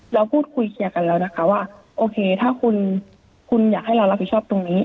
เราพูดคุยเคลียร์กันแล้วนะคะว่าโอเคถ้าคุณอยากให้เรารับผิดชอบตรงนี้